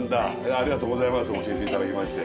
ありがとうございます教えて頂きまして。